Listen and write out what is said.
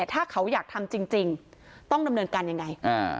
ถ้าเขาอยากทำจริงต้องดำเนินการยังไง